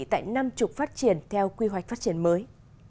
tại năm mươi phát triển theo quy hoạch phát triển mới